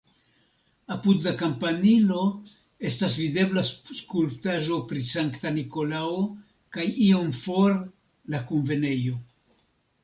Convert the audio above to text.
Apud la kampanilo estas videbla skulptaĵo pri Sankta Nikolao kaj iom for la kunvenejo.